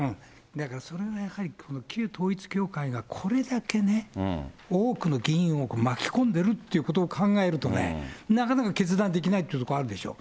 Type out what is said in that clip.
だからそれがやはり、旧統一教会がこれだけね、多くの議員を巻き込んでるっていうことを考えるとね、なかなか決断できないってところあるでしょ。